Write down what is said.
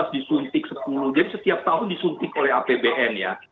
dua ribu delapan belas disuntik sepuluh jadi setiap tahun disuntik oleh apbn ya